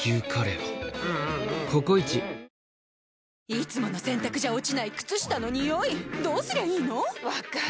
いつもの洗たくじゃ落ちない靴下のニオイどうすりゃいいの⁉分かる。